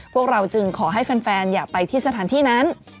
พวกเราจึงขอให้แฟนอย่าไปที่สถานที่นั้น